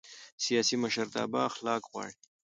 سیاسي مشرتابه اخلاق غواړي